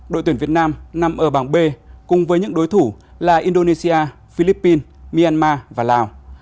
đội tuyển việt nam nằm ở bảng b cùng với những đối thủ là indonesia philippines myanmar và lào